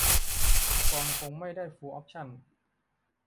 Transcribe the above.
อุปกรณ์คงไม่ได้ฟูลออปชั่น